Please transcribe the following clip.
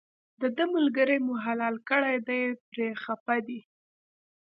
دده ملګری مو حلال کړی دی پرې خپه دی.